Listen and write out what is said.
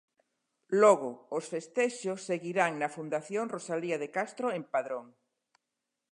Logo, os festexos seguirán na Fundación Rosalía de Castro en Padrón.